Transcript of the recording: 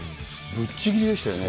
ぶっちぎりでしたよね。